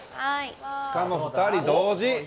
しかも２人同時。